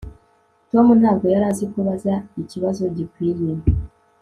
Tom ntabwo yari azi kubaza ikibazo gikwiye